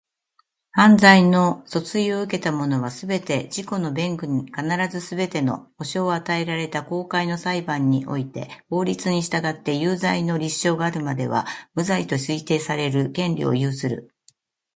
犯罪の訴追を受けた者は、すべて、自己の弁護に必要なすべての保障を与えられた公開の裁判において法律に従って有罪の立証があるまでは、無罪と推定される権利を有する。